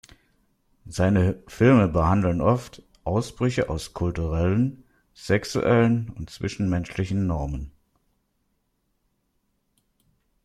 Seine Filme behandeln oft Ausbrüche aus kulturellen, sexuellen und zwischenmenschlichen Normen.